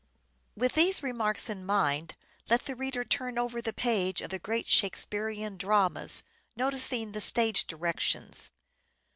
With these remarks in mind let the reader turn over the pages of the great Shakespearean dramas noticing the stage directions.